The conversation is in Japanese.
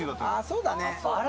そうだね。